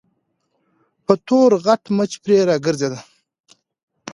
يو تور غټ مچ پرې راګرځېد.